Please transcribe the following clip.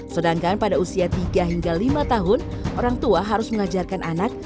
sedangkan pada usia tiga hingga lima tahun orang tua harus mengajarkan anak